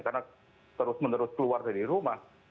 karena terus menerus keluar dari rumah